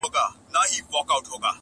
لا یې تازه دي د ښاخونو سیوري٫